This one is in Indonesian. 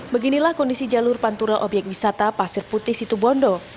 beginilah kondisi jalur pantura obyek wisata pasir putih situbondo